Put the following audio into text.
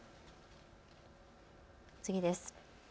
次です。